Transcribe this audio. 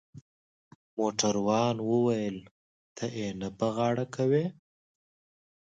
موټروان وویل: ته يې نه په غاړه کوې؟